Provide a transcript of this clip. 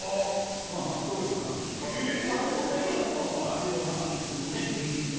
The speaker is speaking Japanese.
ストーリーをかなり引っ張っていく。